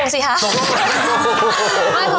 ต้องโกงสิค่ะ